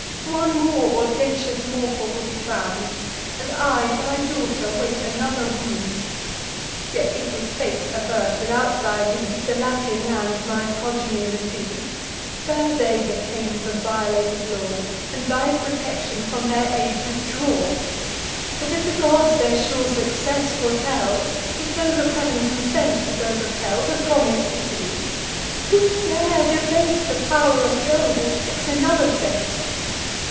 One more audacious mortal will be found; And I, thy daughter, wait another wound. Yet, if with fates averse, without thy leave, The Latian lands my progeny receive, Bear they the pains of violated law, And thy protection from their aid withdraw. But, if the gods their sure success foretell; If those of heav'n consent with those of hell, To promise Italy; who dare debate The pow'r of Jove, or fix another fate?